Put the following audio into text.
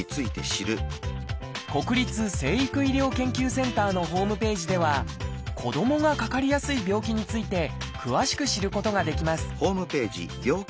国立成育医療研究センターのホームページでは子どもがかかりやすい病気について詳しく知ることができます